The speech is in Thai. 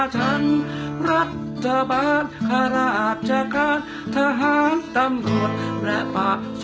ก็ขอบคุณทีมทุกทีม